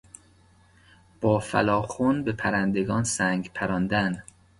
با فلاخن به پرندگان سنگ پراندن